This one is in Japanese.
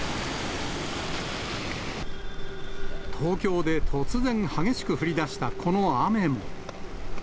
東京で突然、激しく降りだしたこの雨も。